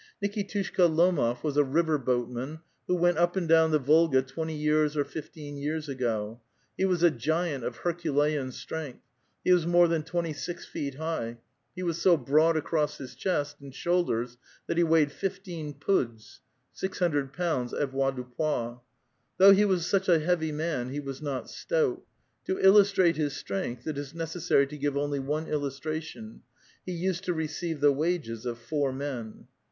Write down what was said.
Nikitushka Lomof was a river boatman,^ who went up and down the Volga twenty years or fifteen years ago ; he was a giant of herculean strength ; he was more than twenty six feet high ;^ he was so broad across his chest and shoul ders that he weighed fifteen puds (GOO pounds avoirdupois). Though he was such a heavy man, he was not stout. To illustrate his strength it is necessary to give only one illus tration : he used to receive the wages of four men.